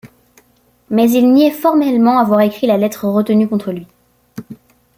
Mais il niait formellement avoir écrit la lettre retenue contre lui.